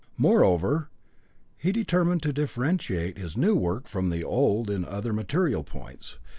Moreover, he determined to differentiate his new work from the old in other material points.